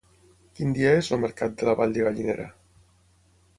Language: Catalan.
Quin dia és el mercat de la Vall de Gallinera?